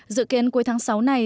dự kiến cuối tháng sáu này